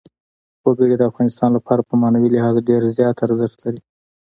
وګړي د افغانانو لپاره په معنوي لحاظ ډېر زیات ارزښت لري.